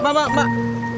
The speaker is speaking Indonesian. mbak mbak mbak